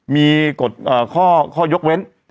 มีกฎข้อยกเว้น